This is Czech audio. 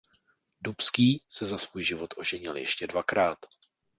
Dubský se za svůj život oženil ještě dvakrát.